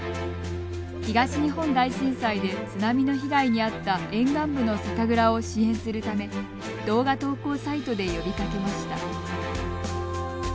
東日本大震災で津波の被害に遭った沿岸部の酒蔵を支援するため動画投稿サイトで呼びかけました。